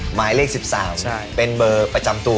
หมายเลข๑๓เป็นเบอร์ประจำตัว